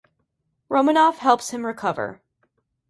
Romanoff helps him recover.